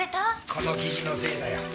この記事のせいだよ。